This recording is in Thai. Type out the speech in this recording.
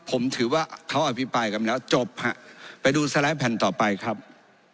ผมถือว่าเขาอภิปรายกันแล้วจบฮะไปดูสไลด์แผ่นต่อไปครับ